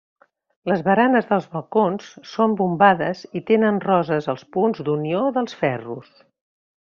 Les baranes dels balcons són bombades i tenen roses als punts d'unió dels ferros.